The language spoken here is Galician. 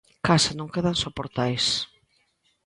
Case non quedan soportais.